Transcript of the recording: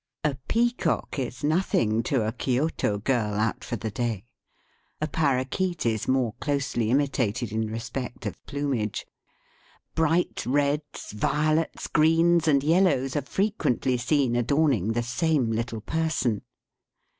A peacock is nothing to a Kioto girl out for the day. A paroquet is more closely imitated in respect of plumage. Bright reds, violets, greens, and yellows are frequently seen adorn ing the same little person.